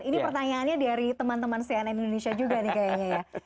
ini pertanyaannya dari teman teman cnn indonesia juga nih kayaknya ya